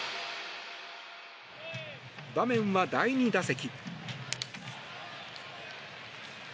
場面は、第２打席。